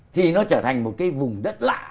thì nó trở thành một cái vùng rất lạ